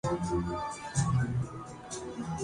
Arlington Texas Chandler Arizona